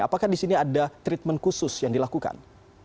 apakah di sini ada treatment khusus yang dilakukan